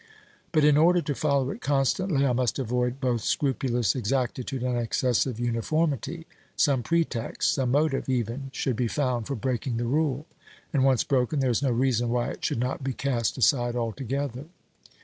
But in order to follow it constantly, I must avoid both scrupulous exactitude and excessive uniformity; some pretext, some motive even should be found for breaking the rule, and once broken there is no reason why it should not be cast aside altogether.